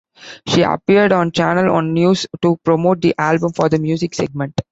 She appeared on Channel One News to promote the album for the music segment.